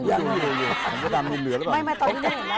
ไม่ตอนนี้ไม่เห็นแล้วสิ่งแบบนี้ไม่เห็นแล้ว